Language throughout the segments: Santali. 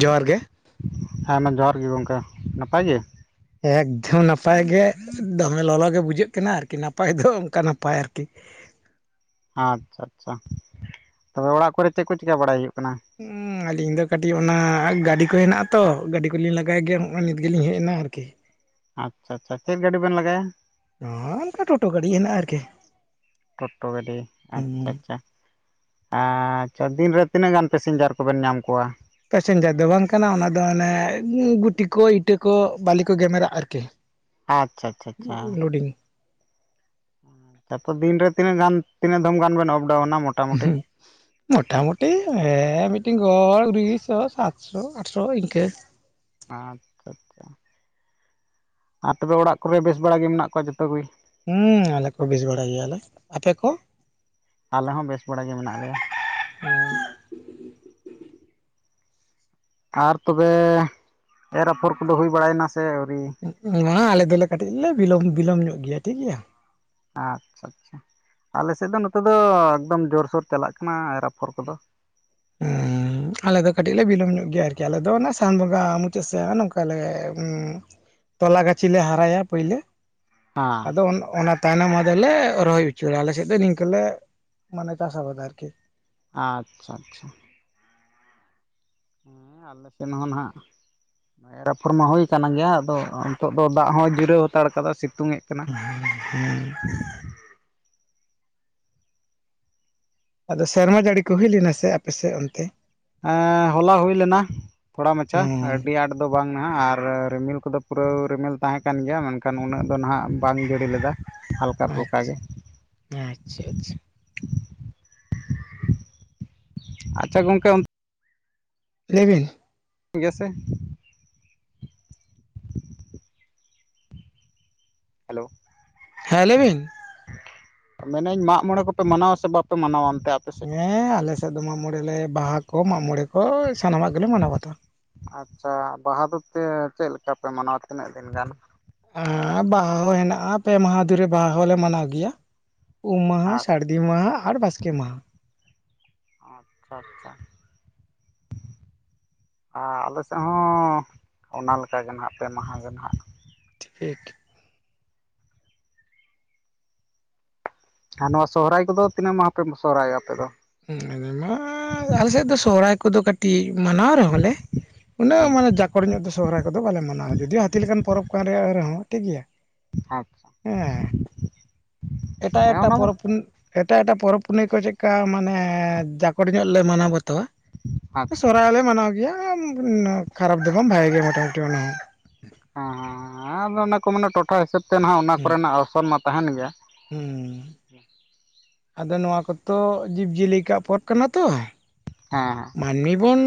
ᱡᱚᱦᱟᱨ ᱜᱮ᱾ ᱦᱮᱸ ᱢᱟ ᱡᱚᱦᱟᱨ ᱜᱮ ᱜᱚᱝᱠᱮ ᱱᱟᱯᱟᱭ ᱜᱮ? ᱮᱠᱫᱚᱢ ᱱᱟᱯᱟᱭ ᱜᱮ᱾ ᱫᱚᱢᱮ ᱞᱚᱞᱚᱜᱮ ᱵᱩᱡᱷᱟᱹᱜ ᱠᱟᱱᱟ ᱟᱨᱠᱤ ᱱᱟᱯᱟᱭ ᱫᱚ ᱚᱝᱠᱟ ᱱᱟᱯᱟᱭ ᱟᱨᱠᱤ ᱟᱪᱪᱷᱟ ᱟᱪᱪᱷᱟ ᱛᱚᱵᱮ ᱚᱲᱟᱜ ᱠᱚᱨᱮ ᱪᱮᱫ ᱠᱚ ᱪᱮᱠᱟ ᱵᱟᱲᱟᱭ ᱦᱩᱭᱩᱜ ᱠᱟᱱᱟ ᱟᱞᱤᱧ ᱫᱚ ᱠᱟᱹᱴᱤᱡ ᱚᱱᱟ ᱜᱟᱹᱰᱤ ᱠᱚ ᱦᱮᱱᱟᱜᱼᱟ ᱛᱚ ᱜᱟᱹᱰᱤ ᱠᱚᱞᱤᱧ ᱞᱟᱜᱟᱭ ᱜᱮᱭᱟ ᱱᱚᱜᱼᱚᱭ ᱱᱤᱛ ᱜᱮᱞᱤᱧ ᱦᱮᱡ ᱮᱱᱟ ᱟᱨᱠᱤ ᱟᱪᱪᱷᱟ ᱟᱪᱪᱷᱟ ᱪᱮᱫ ᱜᱟᱹᱰᱤ ᱵᱮᱱ ᱞᱟᱜᱟᱭᱟ ᱱᱚ ᱚᱱᱠᱟ ᱴᱳᱴᱳ ᱜᱟᱹᱰᱤ ᱜᱮ ᱦᱮᱱᱟᱜᱼᱟ ᱟᱨᱠᱤ ᱴᱳᱴᱳ ᱜᱟᱹᱰᱤ ᱟᱪᱪᱷᱟ ᱦᱩᱸ ᱟᱪᱪᱷᱟ ᱟᱪᱪᱷᱟ ᱫᱤᱱᱨᱮ ᱛᱤᱱᱟᱹᱜ ᱜᱟᱱ ᱯᱮᱥᱮᱧᱡᱟᱨ ᱠᱚᱵᱮᱱ ᱧᱟᱢ ᱠᱚᱣᱟ ᱯᱮᱥᱮᱧᱡᱟᱨ ᱫᱚ ᱵᱟᱝ ᱠᱟᱱᱟ ᱚᱱᱟ ᱫᱚ ᱚᱱᱮ ᱜᱤᱴᱤ ᱠᱚ ᱤᱴᱟᱹ ᱠᱚ ᱵᱟᱞᱤ ᱠᱚ ᱜᱮᱢᱮᱨᱟᱜ ᱟᱨᱠᱤ ᱟᱪᱪᱷᱟ ᱟᱪᱪᱷᱟ ᱟᱪᱪᱷᱟ ᱞᱳᱰᱤᱝ ᱛᱟᱨᱯᱚᱨ ᱫᱤᱱ ᱨᱮ ᱛᱤᱱᱟᱹᱜ ᱜᱟᱱ ᱛᱤᱱᱟᱹᱜ ᱫᱷᱚᱢ ᱜᱟᱱ ᱵᱮᱱ ᱚᱯᱰᱟᱣᱩᱱᱟ ᱢᱚ ᱦᱩᱸ [unintelligible] ᱢᱚᱴᱟᱢᱩᱴᱤ ᱦᱮᱸ ᱢᱤᱫᱴᱤᱱ ᱜᱚᱲ ᱠᱩᱲᱤᱥᱚ ᱥᱟᱛᱥᱚ ᱟᱴᱥᱚ ᱤᱱᱠᱟᱹ ᱟᱪᱪᱷᱟ ᱟᱪᱪᱷᱟ ᱟᱯᱮ ᱫᱚ ᱚᱲᱟᱜ ᱠᱚᱨᱮ ᱵᱮᱥ ᱵᱟᱲᱟ ᱜᱮ ᱢᱮᱱᱟᱜ ᱠᱚᱣᱟ ᱡᱚᱛᱚᱜᱮ ᱦᱩᱸ ᱟᱞᱮ ᱠᱚ ᱵᱮᱥ ᱵᱟᱲᱟ ᱜᱮᱭᱟᱞᱮ ᱟᱯᱮ ᱠᱚ ᱟᱞᱮ ᱦᱚᱸ ᱵᱮᱥ ᱵᱟᱲᱟ ᱜᱮ ᱢᱮᱱᱟᱜ ᱞᱮᱭᱟ [unintelligible] ᱟᱨ ᱛᱚᱵᱮ ᱮᱨ ᱟᱯᱷᱚᱨ ᱠᱚᱫᱚ ᱦᱩᱭ ᱵᱟᱲᱟᱭᱮᱱᱟ ᱥᱮ ᱟᱹᱣᱨᱤ [inaudible] ᱟᱞᱮ ᱫᱚᱞᱮ ᱠᱟᱹᱴᱤᱡ ᱞᱮ ᱵᱤᱞᱚᱢ ᱵᱤᱞᱚᱢ ᱧᱚᱜ ᱜᱮᱭᱟ ᱴᱷᱤᱠ ᱜᱮᱭᱟ ᱟᱪᱪᱷᱟ ᱟᱪᱪᱷᱟ ᱟᱞᱮ ᱥᱮᱫ ᱫᱚ ᱱᱚᱛᱮ ᱫᱚ ᱮᱠᱫᱚᱢ ᱡᱳᱨᱥᱳᱨ ᱪᱟᱞᱟᱜ ᱠᱟᱱᱟ ᱮᱨ ᱟᱯᱷᱚᱨ ᱠᱚᱫᱚ [unintelligible] ᱟᱞᱮ ᱫᱚ ᱠᱟᱹᱴᱤᱡ ᱞᱮ ᱵᱤᱞᱚᱢ ᱧᱚᱜ ᱜᱮᱭᱟ ᱟᱨᱠᱤ ᱟᱞᱮ ᱫᱚ ᱚᱱᱮ ᱥᱟᱣᱚᱱ ᱵᱚᱸᱜᱟ ᱢᱩᱪᱟᱹᱫ ᱥᱮᱥ ᱚᱱᱮ ᱚᱝᱠᱟ ᱞᱮ ᱛᱚᱞᱟ ᱜᱟᱹᱪᱷᱤᱞ ᱞᱮ ᱦᱟᱨᱟᱭᱟ ᱯᱳᱭᱞᱟᱹ ᱦᱮᱸ ᱟᱫᱚ ᱚᱱᱟ ᱛᱟᱭᱱᱚᱢ ᱟᱫᱚᱞᱮ ᱨᱚᱦᱚᱭ ᱩᱪᱟᱹᱲᱟ ᱟᱞᱮ ᱥᱮᱫ ᱫᱚ ᱱᱤᱝᱠᱟᱹ ᱞᱮ ᱢᱟᱱᱮ ᱞᱮ ᱪᱟᱥ ᱟᱵᱟᱫᱟ ᱟᱨᱠᱤ ᱟᱪᱪᱷᱟ ᱟᱪᱪᱷᱟ ᱦᱮᱸ ᱟᱞᱮ ᱥᱮᱱ ᱦᱚᱸ ᱱᱟᱦᱟᱜ ᱮᱨ ᱟᱯᱷᱚᱨ ᱢᱟ ᱦᱩᱭ ᱟᱠᱟᱱ ᱜᱮᱭᱟ ᱟᱫᱚ ᱱᱤᱛᱚᱜ ᱫᱚ ᱫᱟᱜ ᱦᱚᱸ ᱡᱤᱨᱟᱹᱣ ᱦᱟᱛᱟᱲ ᱠᱟᱫᱟ ᱥᱤᱛᱩᱝ ᱮ ᱠᱟᱱᱟ ᱦᱮᱸ ᱟᱫᱚ ᱥᱮᱨᱢᱟ ᱡᱟᱹᱲᱤ ᱠᱚ ᱦᱩᱭ ᱞᱮᱱᱟ ᱥᱮ ᱟᱯᱮ ᱥᱮᱫ ᱚᱱᱛᱮ ᱦᱚᱞᱟ ᱦᱩᱭ ᱞᱮᱱᱟ ᱛᱷᱚᱲᱟ ᱢᱟᱪᱷᱟ ᱦᱩᱸ ᱟᱹᱰᱤ ᱟᱸᱴ ᱫᱚ ᱵᱟᱝ ᱱᱟᱟᱜ ᱟᱨ ᱨᱤᱢᱤᱞ ᱠᱚᱫᱚ ᱯᱩᱨᱟᱹ ᱨᱤᱢᱤᱞ ᱛᱟᱦᱮᱸ ᱠᱟᱱ ᱜᱮᱭᱟ ᱢᱮᱱᱠᱷᱟᱱ ᱩᱱᱟᱹᱜ ᱫᱚ ᱱᱟᱦᱟᱜ ᱵᱟᱝ ᱡᱟᱹᱲᱤ ᱞᱮᱫᱟ ᱦᱟᱞᱠᱟ ᱯᱩᱞᱠᱟ ᱟᱪᱪᱷᱟ ᱜᱮ ᱟᱪᱪᱷᱟ ᱟᱪᱪᱷᱟ ᱟᱪᱪᱷᱟ ᱜᱚᱝᱠᱮ ᱞᱟᱹᱭ ᱵᱮᱱ ᱜᱮᱭᱟ ᱥᱮ ᱦᱮᱞᱳ ᱦᱮᱸ ᱞᱟᱹᱭ‌ ᱵᱤᱱ ᱢᱮᱱᱟᱹᱧ ᱢᱟᱜ ᱢᱚᱬᱮ ᱠᱚᱯᱮ ᱢᱟᱱᱟᱣᱟ ᱥᱮ ᱵᱟᱯᱮ ᱢᱟᱱᱟᱣᱟ ᱚᱱᱛᱮ ᱥᱮᱫ ᱦᱮᱸ ᱟᱞᱮ ᱥᱮᱫ ᱫᱚ ᱢᱟᱜ ᱢᱚᱬᱮ ᱞᱮ ᱵᱟᱦᱟ ᱠᱚ ᱢᱟᱜ ᱢᱚᱬᱮ ᱠᱚ ᱥᱟᱱᱟᱢᱟᱜ ᱜᱮᱞᱮ ᱢᱟᱱᱟᱣ ᱵᱟᱛᱟᱣᱟ ᱟᱪᱪᱷᱟ ᱵᱟᱦᱟ ᱫᱚ ᱯᱮ ᱪᱮᱫ ᱞᱮᱠᱟ ᱯᱮ ᱢᱟᱱᱟᱣᱟ ᱛᱤᱱᱟᱹᱜ ᱫᱤᱱ ᱜᱟᱱ ᱮᱸ ᱵᱟᱦᱟ ᱦᱚᱸ ᱦᱮᱱᱟᱜᱼᱟ ᱯᱮ ᱢᱟᱦᱟ ᱫᱷᱚᱨᱮ ᱵᱟᱦᱟ ᱦᱚᱞᱮ ᱢᱟᱱᱟᱣ ᱜᱮᱭᱟ ᱩᱢ ᱢᱟᱦᱟ ᱟᱨ ᱥᱟᱹᱨᱫᱤ ᱫᱤ ᱢᱟᱦᱟ ᱟᱨ ᱵᱟᱥᱠᱮ ᱢᱟᱦᱟ ᱟᱪᱪᱷᱟ ᱟᱪᱪᱷᱟ ᱟᱨ ᱟᱞᱮ ᱥᱮᱫ ᱦᱚᱸ ᱚᱱᱟ‌ ᱞᱮᱠᱟᱜᱮ ᱱᱟᱜ ᱯᱮ ᱢᱟᱦᱟ ᱜᱮ ᱱᱟᱦᱟᱜ ᱴᱷᱤᱠ ᱟᱨ ᱱᱚᱣᱟ ᱥᱚᱦᱨᱟᱭ ᱠᱚᱫᱚ ᱛᱤᱱᱟᱹᱜ ᱢᱟᱦᱟ ᱯᱮ ᱥᱚᱦᱨᱟᱭᱚᱜ ᱟ ᱟᱯᱮ ᱫᱚ [inaudible] ᱢᱟ ᱟᱞᱮᱥᱮᱫ ᱫᱚ ᱥᱚᱦᱨᱟᱭ ᱠᱚᱫᱚ ᱠᱟᱹᱴᱤᱡ ᱢᱟᱱᱟᱣ ᱨᱮᱦᱚᱸ ᱞᱮ ᱩᱱᱟᱹᱜ ᱦᱮᱸ ᱢᱟᱱᱮ ᱡᱟᱠᱚᱲ ᱧᱚᱜ ᱫᱚ ᱥᱚᱦᱨᱟᱭ ᱠᱚᱫᱚ ᱵᱟᱞᱮ ᱢᱟᱱᱟᱣᱟ ᱡᱚᱫᱤ ᱦᱟᱹᱛᱤ ᱞᱮᱠᱟᱱ ᱯᱚᱨᱚᱵᱽ ᱠᱟᱱ ᱨᱮᱭᱟᱜ ᱨᱮᱦᱚᱸ ᱴᱷᱤᱠ ᱜᱮᱭᱟ ᱟᱪᱪᱷᱟ ᱦᱮᱸ ᱮᱴᱟᱜ ᱦᱮᱸ ᱮᱴᱟᱜ ᱚᱱᱟ ᱢᱟ ᱯᱚᱨᱚᱵᱽ ᱮᱴᱟᱜ ᱮᱴᱟᱜ ᱯᱚᱨᱚᱵᱽ ᱯᱩᱱᱟᱹᱭ ᱠᱚ ᱪᱮᱫᱠᱟ ᱢᱟᱱᱮ ᱡᱟᱠᱚᱰ ᱧᱚᱜ ᱞᱮ ᱢᱟᱱᱟᱣ ᱵᱟᱛᱟᱣᱟ ᱟᱪᱪᱷᱟ ᱥᱚᱦᱨᱟᱭ ᱦᱚᱸ ᱞᱮ ᱢᱟᱱᱟᱣ ᱜᱮᱭᱟ ᱠᱷᱟᱨᱟᱯ ᱫᱚ ᱵᱟᱝ ᱵᱷᱟᱜᱮ ᱜᱮᱭᱟ ᱢᱚᱴᱟ ᱢᱩᱴᱤ ᱚᱱᱟ ᱦᱚᱸ ᱦᱮᱸ ᱦᱮᱸ ᱮᱸᱻ ᱟᱫᱚ ᱚᱱᱟ ᱠᱚ ᱢᱟᱱᱮ ᱴᱚᱴᱷᱟ ᱦᱤᱥᱟᱹᱵ ᱛᱮ ᱱᱷᱟᱜ ᱚᱱᱟ ᱠᱚᱨᱮᱱᱟᱜ ᱚᱨᱥᱚᱝ ᱢᱟ ᱛᱟᱦᱮᱱ ᱜᱮᱭᱟ ᱦᱩᱸᱻᱻᱻ ᱟᱫᱚ ᱱᱚᱣᱟ ᱠᱚᱛᱚ ᱡᱤᱵᱽ ᱡᱤᱭᱟᱹᱞᱤ ᱠᱚᱣᱟᱜ ᱯᱚᱫᱽ ᱠᱟᱱᱟ ᱛᱚ ᱦᱮᱸ ᱦᱟᱸ ᱢᱟᱹᱱᱢᱤ ᱵᱚᱱ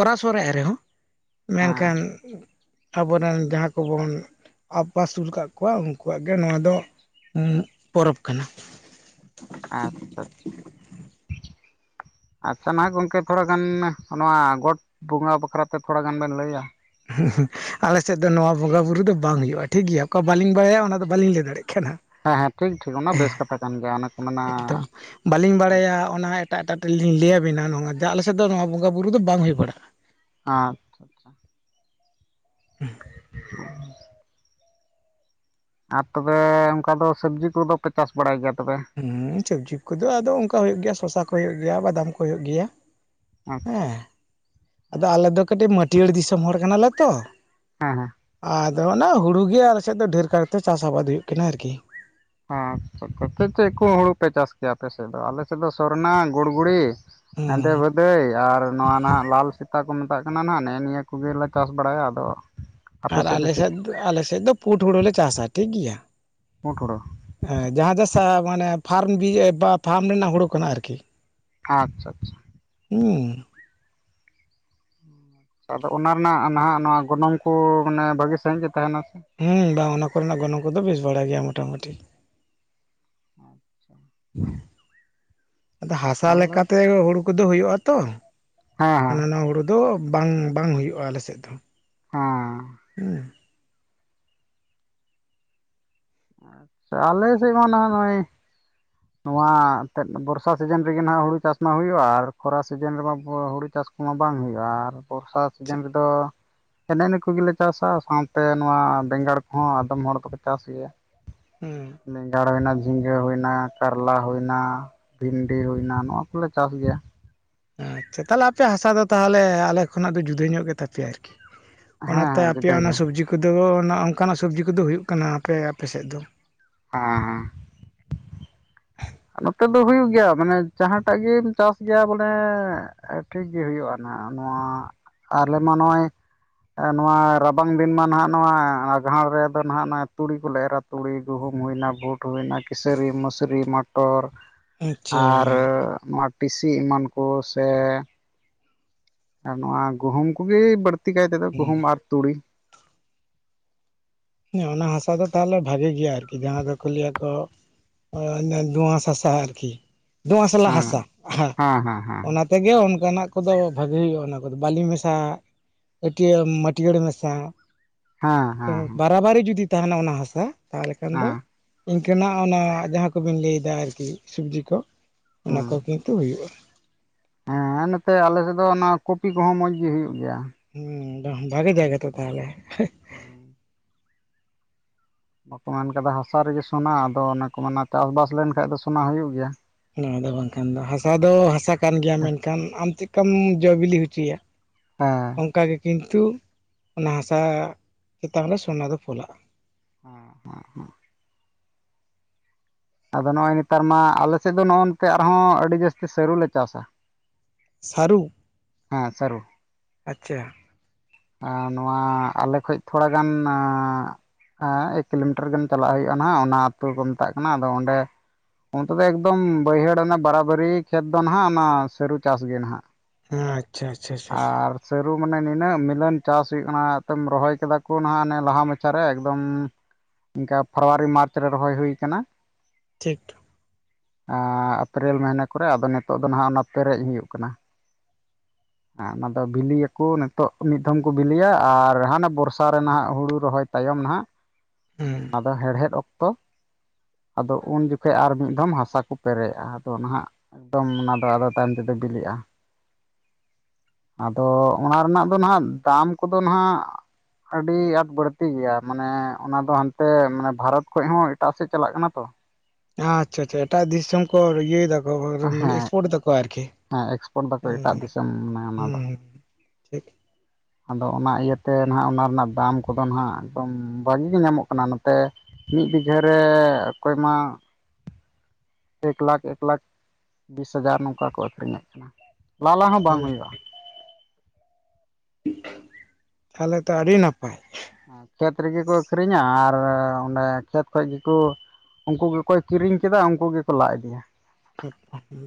ᱚᱨᱟᱥᱚᱨᱟ ᱨᱮᱦᱚᱸ ᱦᱮᱸ ᱢᱮᱱᱠᱷᱟᱱ ᱟᱵᱚᱨᱮᱱ ᱡᱟᱦᱟᱸ ᱠᱚᱵᱚᱱ ᱟᱵᱟᱥᱩᱞ ᱠᱟᱜ ᱠᱚᱣᱟ ᱩᱱᱠᱩᱣᱟᱜ ᱜᱮ ᱱᱚᱣᱟ ᱫᱚ ᱯᱚᱨᱚᱵᱽ ᱠᱟᱱᱟ ᱟᱪᱪᱷᱟ ᱟᱪᱪᱷᱟ ᱟᱪᱪᱷᱟ ᱱᱷᱟᱜ ᱜᱚᱢᱠᱮ ᱛᱷᱚᱲᱟ ᱜᱟᱱ ᱱᱚᱣᱟ ᱜᱚᱴ ᱵᱚᱸᱜᱟ ᱵᱟᱠᱷᱨᱟ ᱛᱮ ᱛᱷᱚᱲᱟ ᱜᱟᱱ ᱵᱮᱱ ᱞᱟᱹᱭᱟ ᱟᱞᱮ ᱥᱮᱫ ᱫᱚ ᱱᱚᱣᱟ ᱵᱚᱸᱜᱟ ᱵᱩᱨᱩ ᱫᱚ ᱵᱟᱝ ᱦᱩᱭᱩᱜ-ᱟ ᱴᱷᱤᱠ ᱜᱮᱭᱟ ᱚᱠᱟ ᱵᱟᱹᱞᱤᱧ ᱵᱟᱲᱟᱭᱟ ᱚᱱᱟ ᱫᱚ ᱵᱟᱹᱞᱤᱧ ᱞᱟᱹᱭ ᱫᱟᱲᱮᱭᱟᱜ ᱠᱟᱱᱟ ᱦᱮᱸ ᱦᱮᱸ ᱴᱷᱤᱠ ᱴᱷᱤᱠ ᱚᱱᱟ ᱵᱮᱥ ᱠᱟᱛᱷᱟ ᱠᱟᱱ ᱜᱮᱭᱟ ᱚᱱᱟ ᱠᱚ ᱢᱮᱱᱟ ᱮᱠᱫᱚᱢ ᱵᱟᱹᱞᱤᱧ ᱵᱟᱲᱟᱭᱟ ᱚᱱᱟ ᱮᱴᱟᱜ ᱮᱴᱟᱜ ᱨᱮᱞᱤᱧ ᱞᱟᱹᱭ ᱟᱹᱵᱤᱱᱟ ᱱᱚᱣᱟ ᱡᱟ ᱟᱞᱮ ᱥᱮᱫ ᱫᱚ ᱱᱚᱣᱟ ᱵᱚᱸᱜᱟ ᱵᱩᱨᱩ ᱫᱚ ᱵᱟᱝ ᱦᱩᱭ ᱵᱟᱲᱟᱜᱼᱟ ᱦᱟᱸ ᱟᱪᱪᱷᱟ [unintelligible] ᱟᱨ ᱛᱚᱵᱮᱻᱻ ᱚᱱᱠᱟ ᱫᱚ ᱥᱚᱵᱽᱡᱤ ᱠᱚᱫᱚ ᱯᱮ ᱪᱟᱥ ᱵᱟᱲᱟᱭ ᱜᱮᱭᱟ ᱛᱚᱵᱮ ᱦᱩᱸ ᱦᱩᱸᱥᱚᱵᱽᱡᱤ ᱠᱚᱫᱚ ᱟᱫᱚ ᱚᱱᱠᱟ ᱦᱩᱭᱩᱜ ᱜᱮᱭᱟ ᱥᱚᱥᱟ ᱠᱚ ᱦᱩᱭᱩᱜ ᱜᱮᱭᱟ ᱵᱟᱫᱟᱢ ᱠᱚ ᱦᱩᱭᱩᱜ ᱜᱮᱭᱟ ᱟᱪᱪᱷᱟ ᱦᱮᱸ ᱟᱫᱚ ᱟᱞᱮ ᱫᱚ ᱠᱟᱹᱴᱤᱡ ᱢᱟᱹᱴᱭᱟᱹᱲ ᱫᱤᱥᱚᱢ ᱦᱚᱲ ᱠᱟᱱᱟ ᱞᱮ ᱛᱚ ᱦᱮᱸ ᱦᱮᱸ ᱟᱫᱚ ᱚᱱᱟ ᱦᱳᱲᱳ ᱜᱮ ᱟᱞᱮ ᱥᱮᱫ ᱫᱚ ᱰᱷᱮᱨ ᱠᱟᱨᱛᱮ ᱪᱟᱥ ᱟᱵᱟᱫᱽ ᱦᱩᱭᱩᱜ ᱠᱟᱱᱟ ᱟᱨᱠᱤ ᱟᱪᱷᱟ ᱟᱪᱷᱟ ᱪᱮᱫ ᱪᱮᱫ ᱠᱚ ᱦᱳᱲᱳ ᱯᱮ ᱪᱟᱥ ᱠᱮᱭᱟ ᱟᱯᱮ ᱥᱮᱫ ᱫᱚ ᱟᱞᱮ ᱥᱮᱫ ᱫᱚ ᱥᱚᱨᱱᱟ ᱜᱩᱲᱜᱩᱲᱤ ᱦᱮᱸ ᱦᱮᱸᱫᱮ ᱵᱷᱟᱹᱫᱟᱹᱭ ᱟᱨ ᱱᱚᱣᱟ ᱱᱷᱟᱜ ᱞᱟᱞ ᱥᱮᱛᱟᱼᱼ ᱠᱚ ᱢᱮᱛᱟᱜ ᱠᱟᱱᱟ ᱱᱷᱟᱜ ᱱᱮᱜ-ᱮ ᱱᱤᱭᱟᱹ ᱠᱚᱜᱮ ᱞᱮ ᱪᱟᱥ ᱵᱟᱲᱟᱭᱟ ᱟᱫᱚ ᱟᱯᱮ ᱟᱨ ᱫᱚ ᱟᱞᱮ ᱪᱮᱫ ᱥᱮᱫ ᱟᱞᱮᱥᱮᱫ ᱫᱚ ᱯᱩᱰ ᱦᱳᱲᱳ ᱞᱮ ᱪᱟᱥᱟ ᱴᱷᱤᱠ ᱜᱮᱭᱟ ᱯᱩᱸᱰ ᱦᱳᱲᱳ ᱦᱮᱸ ᱡᱟᱦᱟᱸ ᱡᱮ ᱡᱟᱦᱟᱸ ᱢᱟᱱᱮ ᱯᱷᱟᱨᱢ ᱵᱤ‌ ᱵᱟ ᱯᱷᱟᱨᱢ ᱨᱮᱱᱟᱜ ᱦᱳᱲᱳ ᱠᱟᱱᱟ ᱟᱨᱠᱤ ᱟᱪᱪᱷᱟ ᱟᱪᱪᱷᱟ ᱦᱩᱢ ᱟᱫᱚ ᱚᱱᱟ ᱨᱮᱱᱟᱜ ᱱᱷᱟᱜ ᱱᱚᱣᱟ ᱜᱚᱱᱚᱝ ᱠᱚ ᱢᱟᱱᱮ ᱵᱷᱟᱹᱜᱤ ᱥᱟᱺᱦᱤᱡ ᱜᱮ ᱛᱟᱦᱮᱱᱟ ᱥᱮ ᱦᱩᱸᱢ ᱵᱟᱝ ᱚᱱᱟ ᱠᱚᱨᱮᱱᱟᱜ ᱜᱚᱱᱚᱝ ᱠᱚᱫᱚ ᱵᱮᱥ ᱵᱟᱲᱟ ᱜᱮᱭᱟ ᱢᱚᱴᱟᱢᱩᱴᱤ [inaudible] ᱟᱫᱚ ᱦᱟᱥᱟ ᱟᱞᱮ ᱞᱮᱠᱟ ᱛᱮ ᱦᱳᱲᱳ ᱠᱚᱫᱚ ᱦᱩᱭᱩᱜ ᱟᱛᱚ ᱦᱮᱸ ᱦᱟᱱᱟ ᱱᱟᱣᱟ ᱦᱳᱲᱳ ᱫᱚ ᱵᱟᱝ ᱵᱟᱝ ᱦᱩᱭᱩᱜ-ᱟ ᱟᱞᱮᱥᱮᱫ ᱫᱚ ᱦᱮᱸ ᱟᱪᱪᱷᱟ ᱟᱞᱮ ᱥᱮᱫ ᱢᱟ ᱱᱚᱦ ᱱᱚᱜᱼᱚᱭ ᱱᱚᱣᱟ ᱛᱮᱫ ᱵᱚᱨᱥᱟ ᱥᱤᱡᱮᱱ ᱨᱮᱜᱮ ᱱᱷᱟᱜ ᱦᱳᱲᱳ ᱪᱟᱥ ᱢᱟ ᱦᱩᱭᱩᱜᱼᱟ ᱟᱨ ᱠᱷᱚᱨᱟ ᱥᱤᱡᱮᱱ ᱨᱮᱢᱟ ᱦᱳᱲᱳ ᱪᱟᱥ ᱱᱚᱣᱟ ᱵᱟᱝ ᱦᱩᱭᱩᱜᱼᱟ ᱟᱨ ᱵᱚᱨᱥᱟ ᱥᱤᱡᱮᱱ ᱨᱮᱫᱚ ᱮᱱᱮ ᱤᱱᱟᱹ ᱠᱚᱜᱮ ᱞᱮ ᱪᱟᱥᱟ ᱥᱟᱶᱛᱮ ᱱᱚᱣᱟ ᱵᱮᱸᱜᱟᱲ ᱠᱚᱦᱚᱸ ᱟᱫᱚᱢ ᱦᱚᱲ ᱫᱚᱠᱚ ᱪᱟᱥ ᱜᱮᱭᱟ ᱦᱚᱸᱻ ᱵᱮᱸᱜᱟᱲ ᱦᱩᱭ ᱮᱱᱟ ᱡᱷᱤᱸᱜᱟᱹ ᱦᱩᱭ ᱮᱱᱟ ᱠᱟᱨᱞᱟ ᱦᱩᱭ ᱮᱱᱟ ᱵᱷᱤᱱᱰᱤ ᱦᱩᱭ ᱮᱱᱟ ᱱᱚᱣᱟ ᱠᱚᱞᱮ ᱪᱟᱥ ᱜᱮᱭᱟ ᱟᱪᱪᱷᱟ ᱛᱟᱦᱚᱞᱮ ᱟᱯᱮᱭᱟᱜ ᱦᱟᱥᱟ ᱫᱚ ᱛᱟᱦᱚᱞᱮ ᱟᱞᱮ ᱠᱷᱚᱱᱟᱜ ᱫᱚ ᱡᱩᱫᱟᱹ ᱧᱚᱜ ᱜᱮ ᱛᱟᱯᱮᱭᱟ ᱟᱨᱠᱤ ᱦᱮᱸ ᱚᱱᱟᱛᱮ ᱦᱮᱸ ᱡᱩᱫᱟᱹ ᱟᱯᱮᱭᱟᱜ ᱚᱱᱟ ᱜᱮ ᱥᱚᱵᱽᱡᱤ ᱠᱚᱫᱚ ᱚᱱᱠᱟᱱᱟᱜ ᱥᱚᱵᱽᱡᱤ ᱠᱚᱫᱚ ᱦᱩᱭᱩᱜ ᱠᱟᱱᱟ ᱟᱯᱮ ᱟᱯᱮ ᱥᱮᱫ ᱫᱚ ᱦᱮᱸ ᱦᱮᱸ ᱱᱚᱛᱮ ᱫᱚ ᱦᱩᱭᱩᱜ ᱜᱮᱭᱟ ᱢᱟᱱᱮ ᱡᱟᱦᱟᱸᱴᱟᱜ ᱜᱮᱢ ᱪᱟᱥ ᱜᱮᱭᱟ ᱵᱚᱞᱮ ᱴᱷᱤᱠ ᱜᱮ ᱦᱩᱭᱩᱜ-ᱟ ᱱᱷᱟᱜ ᱱᱚᱣᱟ ᱟᱞᱮ ᱢᱟ ᱱᱚᱜ-ᱚᱭ ᱱᱚᱣᱟ ᱨᱟᱵᱟᱝ ᱫᱤᱱ ᱢᱟ ᱱᱷᱟᱜ ᱱᱚᱣᱟ ᱟᱸᱜᱷᱟᱲ ᱨᱮᱫᱚ ᱱᱷᱟᱜ ᱱᱚᱣᱟ ᱛᱩᱲᱤ ᱠᱚᱞᱮ ᱮᱨᱟ ᱛᱩᱲᱤ ᱜᱩᱦᱩᱢ ᱦᱩᱭ ᱮᱱᱟ ᱵᱩᱴ ᱦᱩᱭ ᱮᱱᱟ ᱠᱤᱥᱟᱹᱨᱤ ᱢᱤᱥᱨᱤ ᱢᱟᱴᱼᱼ ᱢᱚᱴᱚᱨ ᱟᱪᱪᱷᱟ ᱟᱨ ᱱᱚᱣᱟ ᱴᱤᱥᱤ ᱮᱢᱟᱱ ᱠᱚ ᱥᱮ ᱟᱨ ᱱᱚᱣᱟ ᱜᱩᱦᱩᱢ ᱠᱚᱜᱮ ᱵᱟᱹᱲᱛᱤ ᱠᱟᱭ ᱛᱮᱫᱚ ᱦᱩᱸ ᱜᱩᱦᱩᱢ ᱟᱨ ᱛᱩᱲᱤ ᱾ ᱚᱱᱟ ᱦᱟᱥᱟ ᱫᱚ ᱛᱟᱦᱚᱞᱮ ᱵᱷᱟᱜᱮ ᱜᱮᱭᱟ ᱟᱨᱠᱤ ᱡᱟᱦᱟ ᱫᱚᱠᱚ ᱞᱟᱹᱭ ᱟᱠᱚ ᱾ ᱫᱩᱸᱣᱟᱥ ᱦᱟᱥᱟ ᱟᱨᱠᱤ ᱫᱩᱣᱸᱟ ᱥᱟᱞᱟ ᱦᱟᱥᱟ ᱦᱮᱸ ᱦᱮᱸ ᱦᱮᱸ ᱦᱮᱸ ᱚᱱᱟ ᱾ ᱛᱮᱜᱮ ᱚᱱᱠᱟᱱᱟᱜ ᱠᱚᱫᱚ ᱵᱷᱟᱜᱮ ᱦᱩᱭᱩᱜᱼᱟ ᱚᱱᱟ ᱠᱚᱫᱚ ᱵᱟᱞᱤᱧ ᱢᱮᱥᱟ ᱾ ᱮᱴᱭᱟᱹ ᱢᱟᱹᱴᱭᱟᱹᱲ ᱦᱟᱥᱟ ᱿ ᱦᱮᱸ ᱦᱮᱸ ᱾ ᱵᱟᱵᱟᱨᱤ ᱡᱩᱫᱤ ᱛᱟᱦᱮᱱᱟ ᱚᱱᱟ ᱦᱟᱥᱟ ᱛᱟᱦᱚᱞᱮ ᱦᱮᱸ ᱠᱷᱟᱱ ᱫᱚ ᱦᱮᱸ ᱾ ᱤᱱᱠᱟᱹᱱᱟᱜ ᱚᱱᱟ ᱡᱟᱦᱟ ᱠᱚᱵᱤᱱ ᱞᱟᱹᱭᱮᱫᱟ ᱟᱨᱠᱤ ᱥᱚᱵᱡᱤ ᱠᱚ ᱚᱱᱟ ᱠᱚ ᱜᱤ ᱾ ᱛᱩᱜ ᱦᱩᱭᱩᱜᱼᱟ ᱾ ᱦᱮ ᱱᱚᱛᱮ ᱟᱞᱮᱥᱮᱫ ᱫᱚ ᱚᱱᱟ ᱠᱚᱯᱤ ᱠᱚᱦᱚ ᱢᱚᱡᱽ ᱜᱮ ᱦᱩᱭᱩᱜᱼ ᱜᱮᱭᱟ ᱾ ᱦᱩᱢ ᱵᱷᱟᱜᱮ ᱡᱟᱭᱜᱟ ᱛᱚ ᱛᱟᱦᱚᱞᱮ ᱾ [unintelligible] ᱵᱟᱠᱚ ᱢᱮᱱ ᱠᱟᱫᱟ ᱦᱟᱥᱟ ᱨᱮᱜᱮ ᱥᱚᱱᱟ, ᱟᱫᱚ ᱚᱱᱮ ᱠᱚ ᱢᱮᱱᱟ ᱪᱟᱥᱵᱟᱥ ᱞᱮᱱᱠᱷᱟᱱ ᱫᱚ ᱥᱚᱱᱟ ᱦᱩᱭᱩᱜ ᱜᱮᱭᱟ᱾ ᱱᱚᱣᱟ ᱫᱚ ᱵᱟᱝᱠᱷᱟᱱ ᱫᱚ ᱦᱟᱥᱟ ᱫᱚ ᱦᱟᱥᱟ ᱠᱟᱱ ᱜᱮᱭᱟ ᱢᱮᱱᱠᱷᱟᱱ ᱟᱢ ᱪᱮᱫᱠᱟᱢ ᱡᱚ ᱵᱤᱞᱤ ᱦᱚᱪᱚᱭᱟ᱾ ᱦᱮᱸ ᱚᱱᱠᱟ ᱜᱮ ᱠᱤᱱᱛᱩ ᱚᱱᱟ ᱦᱟᱥᱟ ᱪᱮᱛᱟᱱ ᱨᱮ ᱥᱚᱱᱟ ᱫᱚ ᱯᱷᱚᱞᱟᱜᱼᱟ ᱾ ᱦᱟᱸ ᱟᱫᱚ ᱱᱚᱜᱼᱚᱭ ᱱᱮᱛᱟᱨ ᱢᱟ ᱟᱞᱮ ᱥᱮᱫ ᱫᱚ ᱱᱚᱜᱼᱚ ᱱᱚᱝᱠᱟ ᱟᱨᱦᱚᱸ ᱟᱹᱰᱤ ᱡᱟᱹᱥᱛᱤ ᱥᱟᱹᱨᱩᱞᱮ ᱪᱟᱥᱟ᱾ ᱥᱟᱨᱩ ᱾ ᱦᱮ ᱥᱟᱹᱨᱩ ᱾ ᱟᱪᱪᱷᱟ ᱾ ᱦᱮ ᱱᱚᱣᱟ ᱟᱞᱮ ᱠᱷᱚᱭ ᱛᱷᱚᱲᱟ ᱜᱟᱱ ᱦᱟ ᱮᱠ ᱠᱤᱞᱳᱢᱤᱴᱟᱨ ᱜᱟᱱ ᱪᱟᱞᱟᱜ ᱦᱩᱭᱩᱜᱼᱟ ᱱᱟᱦᱟᱜ ᱚᱱᱟ ᱟᱛᱳ ᱠᱚ ᱢᱮᱛᱟᱜ ᱠᱟᱱᱟ ᱟᱫᱚ ᱚᱱᱰᱮ ᱾ ᱚᱱᱛᱮ ᱫᱚ ᱮᱠᱫᱚᱢ ᱵᱟᱹᱭᱦᱟᱹᱲ ᱚᱱᱟ ᱵᱟᱨᱟᱵᱟᱹᱨᱤ ᱠᱷᱮᱛ ᱫᱚ ᱱᱟᱦᱟᱜ ᱚᱱᱟ ᱥᱟᱹᱨᱩ ᱪᱟᱥ ᱜᱮ ᱱᱟᱦᱟᱜ ᱾ ᱟᱪᱪᱷᱟ ᱟᱪᱪᱷᱟ ᱟᱪᱪᱷᱟ ᱟᱪᱪᱷᱟ ᱾ ᱥᱟᱹᱨᱩ ᱢᱟᱱᱮ ᱱᱤᱱᱟᱹᱜ ᱢᱮᱱ ᱪᱟᱥ ᱦᱩᱭᱩᱜ ᱠᱟᱱᱟ ᱮᱠᱫᱚᱢ ᱨᱚᱦᱚᱭ ᱠᱮᱫᱟ ᱠᱚ ᱱᱟᱦᱟᱜ ᱚᱱᱮ ᱞᱟᱦᱟ ᱢᱟᱪᱟᱨᱮ ᱮᱠᱫᱚᱢ ᱾ ᱯᱷᱮᱵᱽᱨᱩᱣᱟᱨᱤ ᱢᱟᱨᱪ ᱨᱮ ᱨᱚᱦᱚᱭ ᱦᱩᱭ ᱠᱟᱱᱟ ᱾ ᱴᱷᱤᱠ ᱟ ᱟᱯᱨᱮᱞ ᱢᱟᱹᱭᱱᱟ ᱠᱚᱨᱮ ᱟᱫᱚ ᱱᱤᱛᱚᱜ ᱫᱚ ᱱᱟᱦᱟᱜ ᱱᱚᱛᱮ ᱯᱨᱮᱡ ᱦᱩᱭᱩᱜ ᱠᱟᱱᱟ ᱾ ᱟ ᱚᱱᱟᱫᱚ ᱵᱤᱞᱤᱭᱟᱠᱚ ᱱᱤᱛᱚᱜ ᱾ ᱢᱤᱫ ᱫᱷᱚᱢ ᱠᱚ ᱵᱤᱞᱤᱭᱟ ᱟᱨ ᱦᱟᱱᱟ ᱵᱚᱨᱥᱟ ᱨᱮᱱᱟᱜ ᱦᱩᱲᱩ ᱨᱚᱦᱚᱭ ᱛᱟᱭᱚᱢ ᱱᱟᱦᱟᱜ ᱾ ᱦᱩᱸ ᱚᱱᱟ ᱫᱚ ᱦᱮᱲᱦᱮᱫ ᱚᱠᱛᱚ ᱾ ᱟᱫᱚ ᱩᱱ ᱡᱚᱠᱷᱚᱭ ᱟᱨ ᱢᱤᱫ ᱫᱚᱢ ᱦᱟᱥᱟ ᱠᱚ ᱯᱮᱨᱮᱜᱼᱟ ᱟᱫᱚ ᱱᱟᱦᱟᱜ ᱾ ᱮᱠᱫᱚᱢ ᱚᱱᱟ ᱫᱚ ᱟᱫᱚ ᱛᱟᱭᱚᱢ ᱛᱮᱫᱚ ᱵᱤᱞᱤᱜᱼᱟ, ᱟᱫᱚ ᱚᱱᱟ ᱨᱮᱱᱟᱜ ᱫᱚ ᱱᱟᱦᱟᱜ ᱫᱟᱢ ᱠᱚᱫᱚ ᱱᱟᱦᱟᱜ ᱾ ᱟᱹᱰᱤ ᱟᱸᱴ ᱵᱟᱹᱲᱛᱤ ᱜᱮᱭᱟ ᱢᱟᱱᱮ ᱚᱱᱟ ᱫᱚ ᱦᱟᱱᱛᱮ ᱢᱟᱱᱮ ᱵᱷᱟᱨᱚᱛ ᱠᱷᱚᱱ ᱦᱚ ᱮᱴᱟᱜ ᱥᱮᱫ ᱪᱟᱞᱟᱜ ᱠᱟᱱᱟ ᱛᱚ ᱾ ᱟᱪᱪᱷᱟ ᱟᱪᱪᱷᱟ ᱮᱴᱟᱜ ᱫᱤᱥᱚᱢ ᱠᱚ ᱤᱭᱟᱹᱭ ᱫᱟ ᱾ ᱦᱳ ᱦᱳᱭ ᱦᱳᱭ ᱢᱟᱱᱮ ᱤᱥᱯᱳᱴ ᱫᱟᱠᱚ ᱟᱨᱠᱤ ᱦᱮᱸ ᱮᱠᱥᱯᱳᱨᱴ ᱫᱟᱠᱚ ᱮᱴᱟᱜ ᱫᱤᱥᱚᱢ ᱢᱟᱱᱮ ᱚᱱᱟ ᱩᱸ ᱫᱚ ᱾ ᱴᱷᱤᱠ [inaudible] ᱟᱫᱚ ᱚᱱᱟ ᱤᱭᱟᱹᱛᱮ ᱱᱟᱦᱟᱜ ᱚᱱᱟ ᱨᱮᱱᱟᱜ ᱫᱟᱢ ᱠᱚᱫᱚ ᱱᱟᱦᱟᱜ ᱵᱷᱟᱜᱤ ᱜᱮ ᱧᱟᱢᱚᱜ ᱠᱟᱱᱟ ᱱᱚᱛᱮ ᱾ ᱢᱤᱫ ᱵᱤᱜᱷᱟᱹ ᱨᱮ ᱚᱠᱚᱭ ᱢᱟ ᱮᱠ ᱞᱟᱠᱷ ᱮᱠ ᱞᱟᱠᱷ ᱾ ᱵᱤᱥ ᱦᱟᱡᱟᱨ ᱱᱚᱝᱠᱟ ᱠᱚ ᱟᱹᱠᱷᱨᱤᱧᱮᱫ ᱠᱟᱱᱟ ᱞᱟᱞᱟ ᱦᱚᱸ ᱵᱟᱝ ᱛᱟᱦᱚᱞᱮ ᱦᱩᱭᱩᱜᱼᱟ ᱾ ᱛᱟᱦᱚᱞᱮ ᱛᱚ ᱟᱹᱰᱤ ᱱᱟᱯᱟᱭ ᱾ ᱠᱷᱮᱛ ᱨᱮᱜᱮ ᱠᱚ ᱟᱹᱷᱨᱤᱧᱟ ᱟᱨ ᱚᱱᱰᱮ ᱠᱷᱮᱛ ᱠᱷᱚᱡ ᱜᱮᱠᱩ᱾ ᱩᱱᱠᱩ ᱜᱮᱠᱚ ᱠᱤᱨᱤᱧ ᱠᱮᱫᱟ ᱩᱱᱠᱩ ᱜᱮᱠᱚ ᱞᱟ ᱤᱫᱤᱭᱟ ᱾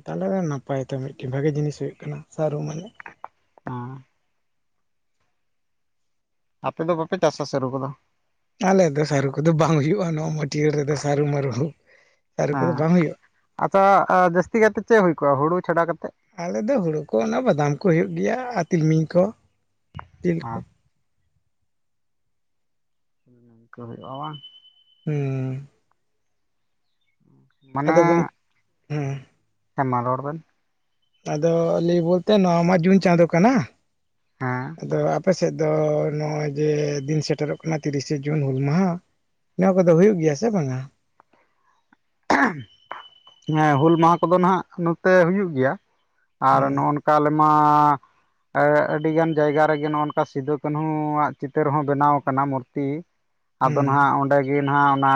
ᱛᱟᱦᱞᱮ ᱱᱟᱯᱟᱭ ᱛᱚ ᱢᱤᱫᱴᱮᱱ ᱵᱷᱟᱜᱤ ᱡᱤᱱᱤᱥ ᱦᱩᱭᱩᱜ ᱠᱟᱱᱟ ᱥᱟᱹᱨᱩ ᱢᱟᱱᱮ ᱾ [unintelligible] ᱟᱯᱮ ᱫᱚ ᱵᱟᱯᱮ ᱪᱟᱥᱟ ᱥᱟᱨᱩ ᱠᱚᱫᱚ? ᱟᱞᱮ ᱫᱚ ᱥᱟᱹᱨᱩ ᱠᱚᱫᱚ ᱵᱟᱝ ᱦᱩᱭᱩᱜᱼᱟ ᱱᱚᱣᱟ ᱢᱟᱹᱴᱭᱟᱹ ᱨᱮᱫᱚ᱾ ᱥᱟᱹᱨᱩ ᱢᱟᱹᱨᱩ ᱥᱟᱹᱨᱩ ᱠᱚᱫᱚ ᱵᱟᱝ ᱦᱩᱭᱩᱜᱼᱟ ᱾ ᱟᱪᱪᱷᱟ, ᱡᱟᱹᱥᱛᱤ ᱠᱟᱛᱮᱫ ᱪᱮᱫ ᱦᱩᱭ ᱠᱚᱜᱼᱟ ᱦᱩᱲᱩ ᱪᱷᱟᱰᱟ ᱠᱟᱛᱮᱫ? ᱟᱞᱮ ᱫᱚ ᱦᱩᱲᱩ ᱠᱚ ᱚᱱᱟ ᱵᱟᱫᱟᱢ ᱠᱚ ᱦᱩᱭᱩᱜ ᱜᱮᱭᱟ ᱟᱨ ᱛᱤᱞᱢᱤᱧ ᱠᱚ ᱛᱤᱞ ᱠᱚ ᱾ ᱤᱝᱠᱟᱹ ᱦᱩᱭᱩᱜᱼᱟ ᱵᱟᱝ ᱦᱩᱸᱻ ᱢᱟᱱᱮ ᱟᱫᱚ ᱜᱚᱝ ᱦᱩᱸ ᱦᱮᱸ ᱢᱟ ᱨᱚᱲ ᱵᱮᱱ ᱟᱫᱚ ᱞᱟᱹᱭ ᱵᱚᱞᱛᱮ ᱱᱚᱣᱟ ᱢᱟ ᱡᱩᱱ ᱪᱟᱸᱫᱳ ᱠᱟᱱᱟ ᱟᱫᱚ ᱟᱯᱮ ᱥᱮᱫ ᱫᱚ ᱱᱚᱜᱼᱚᱭ ᱡᱮ ᱫᱤᱱ ᱥᱮᱴᱮᱨᱚᱜ ᱠᱟᱱᱟ ᱛᱤᱨᱤᱥᱮ ᱡᱩᱱ ᱦᱩᱞ ᱢᱟᱦᱟ ᱱᱚᱣᱟ ᱠᱚᱫᱚ ᱦᱩᱭᱩᱜ ᱜᱮᱭᱟ ᱥᱮ ᱵᱟᱝᱟ ᱦᱩᱞ ᱢᱟᱦᱟ ᱠᱚᱫᱚ ᱱᱟᱦᱟᱜ ᱱᱚᱛᱮ ᱦᱩᱭᱩᱜ ᱜᱮᱭᱟ ᱟᱨ ᱦᱩᱸ ᱱᱚᱜᱼᱚ ᱱᱚᱝᱠᱟ ᱠᱟᱞ ᱢᱟᱻ ᱟᱹ ᱟᱰᱤᱜᱟᱱ ᱡᱟᱭᱜᱟ ᱨᱮᱜᱮ ᱱᱚᱝᱠᱟ ᱥᱤᱫᱩ ᱠᱟᱹᱱᱦᱩᱚᱣᱼᱟᱜ ᱪᱤᱛᱟᱹᱨ ᱦᱚ ᱵᱮᱱᱟᱣ ᱠᱟᱱᱟ ᱢᱩᱨᱛᱤ ᱾ ᱟᱫᱚ ᱦᱩᱸ ᱱᱟᱦᱟᱜ ᱚᱸᱰᱮ ᱜᱮ ᱱᱟᱦᱟᱜ ᱚᱱᱟ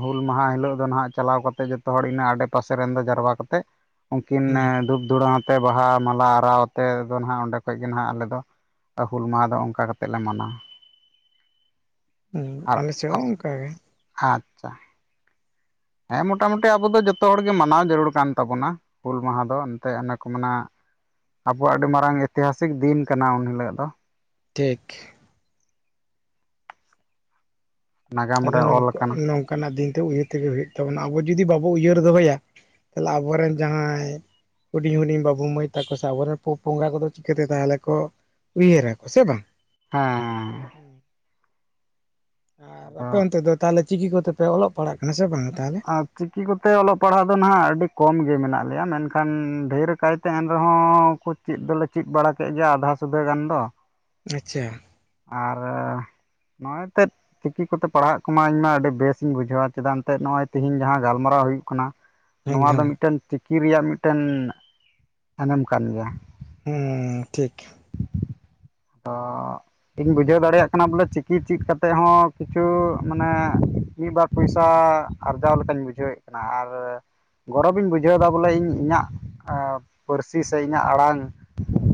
ᱦᱩᱞ ᱢᱟᱦᱟ ᱦᱤᱞᱳᱜ ᱫᱚ ᱱᱟᱦᱟᱜ ᱪᱟᱞᱟᱣ ᱠᱟᱛᱮ ᱡᱚᱛᱚ ᱦᱚᱲ ᱤᱱᱟᱹ ᱟᱰᱮᱯᱟᱥᱮ ᱨᱮᱱ ᱫᱚ ᱡᱟᱨᱣᱟ ᱠᱟᱛᱮᱫ ᱩᱱᱠᱤᱱ ᱦᱩᱸ ᱫᱷᱩᱯ ᱫᱷᱩᱲᱟᱹᱛ ᱵᱟᱦᱟ ᱢᱟᱞᱟ ᱟᱨᱟᱣ ᱛᱮ ᱫᱚ ᱱᱟᱦᱟᱜ ᱚᱸᱰᱮ ᱠᱷᱚᱡ ᱜᱮ ᱱᱟᱦᱟᱜ ᱟᱞᱮ ᱫᱚ ᱟᱨ ᱦᱩᱞ ᱢᱟᱦᱟ ᱫᱚ ᱚᱱᱠᱟ ᱠᱟᱛᱮᱜ ᱞᱮ ᱢᱟᱱᱟᱣᱟ ᱦᱩᱸ ᱟᱞᱮ ᱥᱮᱫ ᱦᱚᱸ ᱚᱱᱠᱟ ᱜᱮ ᱦᱟᱛ ᱦᱮᱸ ᱢᱚᱴᱟ ᱢᱩᱴᱤ ᱟᱵᱚ ᱡᱚᱛᱚ ᱦᱚᱲ ᱜᱮ ᱢᱟᱱᱟᱣ ᱡᱟᱹᱨᱩᱲ ᱠᱟᱱ ᱛᱟᱵᱚᱱᱟ ᱦᱩᱞ ᱢᱟᱦᱟ ᱫᱚ ᱮᱱᱛᱮᱫ ᱚᱱᱮ ᱠᱚ ᱢᱮᱱᱟ ᱟᱵᱚᱣᱟᱜ ᱟᱹᱰᱤ ᱢᱟᱨᱟᱝ ᱤᱛᱤᱦᱟᱥᱤᱠ ᱫᱤᱱ ᱠᱟᱱᱟ ᱩᱱ ᱦᱤᱞᱳᱜ ᱫᱚ ᱴᱷᱤᱠ ᱱᱟᱜᱟᱢ ᱟᱫᱚ ᱨᱮ ᱚᱞ ᱟᱠᱟᱱᱟ ᱱᱚᱝᱠᱟᱱᱟᱜ ᱫᱤᱱᱛᱮ ᱩᱭᱦᱟᱹᱨ ᱛᱮᱜᱮ ᱦᱩᱭᱩᱜ ᱛᱟᱵᱚᱱᱟ ᱟᱵᱚ ᱡᱚᱫᱤ ᱵᱟᱵᱚ ᱩᱭᱦᱟᱹᱨ ᱫᱚᱦᱚᱭᱟ ᱛᱟᱦᱚᱞᱮ ᱟᱵᱚᱨᱮᱱ ᱡᱟᱦᱟᱸᱭ ᱦᱩᱰᱤᱧ ᱦᱩᱰᱤᱧ ᱵᱟᱹᱵᱩ ᱢᱟᱹᱭ ᱛᱟᱠᱚ ᱥᱮ ᱟᱵᱚᱨᱮᱱ ᱵᱚᱸᱜᱟ ᱠᱚᱫᱚ ᱪᱤᱠᱟᱹᱛᱮ ᱛᱟᱦᱚᱞᱮ ᱠᱚ ᱩᱭᱦᱟᱹᱨᱟᱠᱚ ᱥᱮ ᱵᱟᱝ ᱦᱮᱸᱻ ᱦᱩᱸ ᱟᱨ ᱟᱫᱚ ᱟᱯᱮ ᱚᱱᱛᱮ ᱫᱚ ᱛᱟᱦᱚᱞᱮ ᱪᱤᱠᱤ ᱠᱚᱛᱮᱯᱮ ᱚᱞᱚᱜ ᱯᱟᱲᱦᱟᱜ ᱠᱟᱱᱟ ᱥᱮ ᱵᱟᱝᱼᱟ ᱛᱟᱦᱚᱞᱮ ᱟᱨ ᱪᱤᱠᱤ ᱠᱚᱛᱮ ᱚᱞᱚᱜ ᱯᱟᱲᱦᱟᱜ ᱫᱚ ᱱᱟᱦᱟᱜ ᱟᱹᱰᱤ ᱠᱚᱢᱜᱮ ᱢᱮᱱᱟᱜ ᱞᱮᱭᱟ ᱢᱮᱱᱠᱷᱟᱱ ᱰᱷᱮᱨ ᱠᱟᱭᱛᱮ ᱮᱱᱨᱮᱦᱚᱸ ᱠᱚ ᱪᱮᱫ ᱫᱚᱞᱮ ᱪᱮᱫ ᱵᱟᱲᱟ ᱠᱮᱜ ᱜᱮᱭᱟ ᱟᱫᱷᱟ ᱥᱩᱫᱷᱟᱹ ᱜᱟᱱ ᱫᱚ ᱟᱪᱪᱷᱟ ᱟᱨ ᱱᱚᱜᱼᱚᱭ ᱮᱱᱛᱮᱫ ᱪᱤᱠᱤ ᱠᱚᱛᱮ ᱯᱟᱲᱦᱟᱜ ᱠᱚᱢᱟ ᱤᱧᱢᱟ ᱟᱹᱰᱤ ᱵᱮᱥᱤᱧ ᱵᱩᱡᱷᱟᱹᱣᱼᱟ ᱪᱮᱫᱟᱜ ᱮᱱᱛᱮ ᱱᱚᱜᱼᱚᱭ ᱛᱤᱦᱤᱧ ᱡᱟᱦᱟᱸ ᱜᱟᱞᱢᱟᱨᱟᱣ ᱦᱩᱭᱩᱜ ᱠᱟᱱᱟ ᱱᱚᱣᱟ ᱫᱚ ᱮᱠᱫᱚᱢ ᱢᱤᱫᱴᱮᱱ ᱪᱤᱠᱤ ᱨᱮᱭᱟᱜ ᱢᱤᱫᱴᱮᱱ ᱟᱡᱚᱢ ᱠᱟᱱ ᱜᱮᱭᱟ ᱦᱩᱸᱻ ᱴᱷᱤᱠ ᱚᱜᱻ ᱤᱧ ᱵᱩᱡᱷᱟᱹᱣ ᱫᱟᱲᱮᱭᱟᱜ ᱠᱟᱱᱟ ᱵᱚᱞᱮ ᱪᱤᱠᱤ ᱪᱮᱫ ᱠᱟᱛᱮᱴᱮᱫ ᱦᱚᱸ ᱠᱤᱪᱷᱩ ᱢᱟᱱᱮ ᱢᱤᱫ ᱵᱟᱨ ᱯᱚᱭᱥᱟ ᱟᱨᱡᱟᱣ ᱞᱮᱠᱟᱧ ᱵᱩᱡᱷᱟᱹᱣᱮᱫ ᱠᱟᱱᱟ ᱟᱨ ᱜᱚᱨᱚᱵᱤᱧ ᱵᱩᱡᱷᱟᱹᱣᱫᱟ ᱵᱚᱞᱮ ᱤᱧ ᱤᱧᱟᱹᱜ ᱯᱟᱹᱨᱥᱤ ᱥᱮ ᱤᱧᱟᱹᱜ ᱟᱲᱟᱝ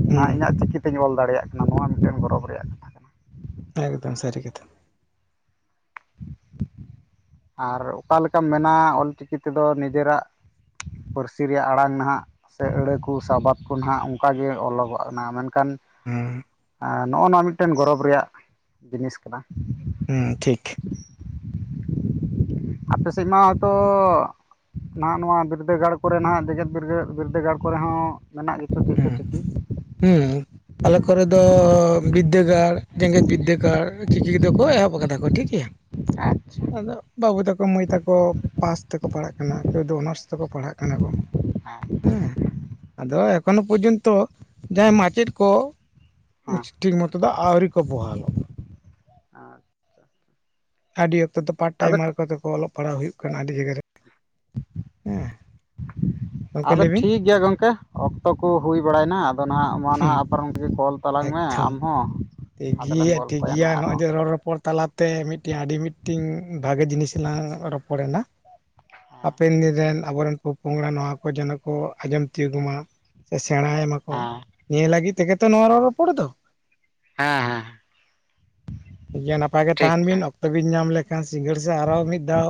ᱦᱩᱸ ᱤᱧᱟᱹᱜ ᱪᱤᱠᱤᱛᱮᱧ ᱚᱞ ᱫᱟᱲᱮᱭᱟᱜ ᱠᱟᱱᱟ ᱱᱚᱣᱟ ᱢᱤᱫᱴᱮᱱ ᱜᱚᱨᱚᱵᱽ ᱨᱮᱭᱟᱜ ᱠᱟᱛᱷᱟ ᱠᱟᱱᱟ ᱮᱠᱫᱚᱢ ᱥᱟᱹᱨᱤ ᱜᱮᱛᱚ ᱟᱨ ᱚᱠᱟ ᱞᱮᱠᱟᱢ ᱢᱮᱱᱟ ᱚᱞᱪᱤᱠᱤ ᱛᱮᱫᱚ ᱱᱤᱡᱮᱨᱟᱜ ᱯᱟᱹᱨᱥᱤ ᱨᱮᱭᱟᱜ ᱟᱲᱟᱝ ᱱᱟᱦᱟᱜ ᱥᱮ ᱟᱹᱲᱟᱹ ᱠᱚ ᱥᱟᱵᱟᱫᱽ ᱠᱚ ᱱᱟᱦᱟᱜ ᱚᱱᱠᱟᱜ ᱜᱮ ᱚᱞᱚᱜᱚᱜ ᱠᱟᱱᱟ ᱢᱮᱱᱠᱷᱟᱱ ᱦᱩᱸᱻ ᱱᱚᱜᱼ ᱱᱚᱣᱟ ᱢᱤᱫᱴᱮᱱ ᱜᱚᱨᱚᱵᱽ ᱨᱮᱭᱟᱜ ᱡᱤᱱᱤᱥ ᱠᱟᱱᱟ ᱦᱩᱸ ᱴᱷᱤᱠ ᱟᱯᱮ ᱥᱮᱫ ᱢᱟᱻᱛᱚ ᱱᱟᱦᱟᱜ ᱱᱚᱣᱟ ᱵᱤᱨᱫᱟᱹᱜᱟᱲ ᱠᱚᱨᱮ ᱱᱟᱦᱟᱜ ᱡᱮᱜᱮᱫ ᱵᱤᱨ ᱵᱤᱨᱫᱟᱹᱜᱟᱲ ᱠᱚᱨᱮ ᱦᱚᱸ ᱢᱮᱱᱟᱜ ᱜᱮᱭᱟ ᱦᱩᱸᱻ ᱦᱩᱸᱻ ᱟᱞᱮ ᱠᱚᱨᱮᱫᱚ ᱵᱤᱫᱽᱫᱟᱹᱜᱟᱲ ᱡᱮᱜᱮᱛ ᱵᱤᱫᱽᱫᱟᱹᱜᱟᱲ ᱪᱤᱠᱤ ᱠᱚᱫᱚ ᱠᱚ ᱮᱦᱚᱵ ᱟᱠᱟᱫᱟ ᱠᱚ ᱴᱷᱤᱠ ᱜᱮᱭᱟ [inaudible] ᱟᱫᱚ ᱵᱟᱹᱵᱩ ᱛᱟᱠᱚ ᱢᱟᱹᱭ ᱛᱟᱠᱚ ᱯᱟᱥ ᱛᱮᱠᱚ ᱯᱟᱲᱦᱟᱜ ᱠᱟᱱᱟ ᱠᱮᱣ ᱫᱚ ᱚᱱᱟᱨᱥ ᱛᱮᱠᱚ ᱯᱟᱲᱦᱟᱜ ᱠᱟᱱᱟ ᱠᱚ ᱦᱮᱸ ᱟᱫᱚ ᱮᱠᱷᱚᱱᱳ ᱯᱚᱨᱡᱚᱱᱛᱚ ᱡᱟᱦᱟᱸᱭ ᱢᱟᱪᱮᱫ ᱠᱚ ᱦᱮᱸ ᱴᱷᱤᱠ ᱢᱚᱛᱚ ᱫᱚ ᱟᱹᱣᱨᱤ ᱠᱚ ᱵᱚᱦᱟᱞᱚᱜ ᱟᱹᱰᱤ ᱚᱠᱛᱚ ᱫᱚ ᱯᱟᱨᱴ ᱟᱫᱚ ᱴᱟᱭᱤᱢᱟᱨ ᱠᱚᱛᱮ ᱠᱚ ᱚᱞᱚᱜ ᱯᱟᱲᱦᱟᱜ ᱦᱩᱭᱩᱜ ᱠᱟᱱᱟ ᱟᱹᱰᱤ ᱡᱟᱭᱜᱟ ᱨᱮ ᱦᱮᱸ ᱜᱚᱝᱠᱮ ᱟᱫᱚ ᱞᱟᱹᱭ ᱵᱤᱱ ᱴᱷᱤᱠ ᱜᱮᱭᱟ ᱜᱚᱢᱠᱮ ᱚᱠᱛᱚ ᱠᱚ ᱦᱩᱭ ᱵᱟᱲᱟᱭᱮᱱᱟ ᱟᱫᱚ ᱱᱟᱦᱟᱜ ᱢᱟ ᱦᱩᱸ ᱱᱟᱦᱟᱜ ᱟᱯᱟᱨ ᱜᱚᱢᱠᱮ ᱠᱚᱞ ᱢᱮ ᱟᱢ ᱦᱚᱸ ᱴᱷᱤᱠᱜᱮᱭᱟ ᱴᱷᱤᱠᱜᱮᱭᱟ ᱱᱚᱜ ᱚᱭ ᱡᱮ ᱨᱚᱲ ᱨᱚᱯᱚᱲ ᱛᱟᱞᱟᱛᱮ ᱢᱤᱫᱴᱮᱱ ᱟᱹᱰᱤ ᱢᱤᱫᱴᱮᱱ ᱵᱷᱟᱜᱮ ᱡᱤᱱᱤᱥ ᱛᱮᱞᱟᱝ ᱨᱚᱯᱚᱲ ᱮᱱᱟ ᱦᱟᱯᱮᱱ ᱫᱤᱱ ᱨᱮᱱ ᱟᱵᱚ ᱨᱮᱱ ᱯᱚ ᱯᱚᱝᱲᱟ ᱱᱚᱣᱟ ᱠᱚ ᱡᱮᱱᱚ ᱠᱚ ᱟᱸᱡᱚᱢ ᱛᱤᱭᱳᱜᱽ ᱢᱟ ᱥᱮ ᱥᱮᱬᱟᱭ ᱢᱟᱠᱚ ᱦᱮᱸ ᱱᱤᱭᱟᱹ ᱞᱟᱹᱜᱤᱫ ᱛᱮᱜᱮ ᱛᱚ ᱱᱚᱣᱟ ᱨᱚᱲ ᱨᱚᱯᱚᱲ ᱫᱚ ᱦᱮᱸ ᱦᱮᱸ ᱴᱷᱤᱠ ᱜᱮᱭᱟ ᱱᱟᱯᱟᱭ ᱜᱮ ᱴᱷᱤᱠ ᱛᱟᱦᱮᱱ ᱜᱮᱭᱟ ᱵᱤᱱ ᱚᱠᱛᱚ ᱵᱤᱱ ᱧᱟᱢ ᱞᱮᱠᱷᱟᱱ ᱥᱤᱸᱜᱟᱹᱲ ᱥᱮᱫ ᱟᱨᱚ ᱢᱤᱫ ᱫᱷᱟᱣ